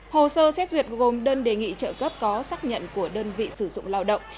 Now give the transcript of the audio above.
hồ sơ xét duyệt gồm đơn đề nghị trợ cấp có xác nhận của đơn vị sử dụng lao động